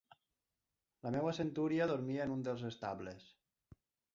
La meva centúria dormia en un dels estables